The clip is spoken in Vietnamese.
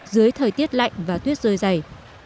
dưới thời tiết lạnh và tuyết rơi dày